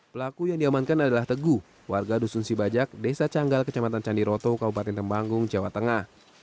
pelaku yang diamankan adalah teguh warga dusun sibajak desa canggal kecamatan candiroto kabupaten tembanggung jawa tengah